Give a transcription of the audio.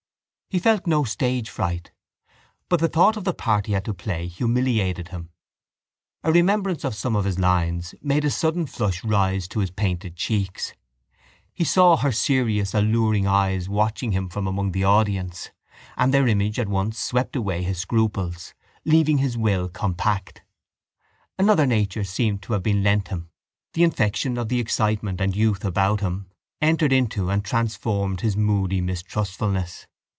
He felt no stage fright but the thought of the part he had to play humiliated him. A remembrance of some of his lines made a sudden flush rise to his painted cheeks. He saw her serious alluring eyes watching him from among the audience and their image at once swept away his scruples, leaving his will compact. Another nature seemed to have been lent him: the infection of the excitement and youth about him entered into and transformed his moody mistrustfulness.